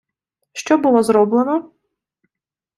Що було зроблено?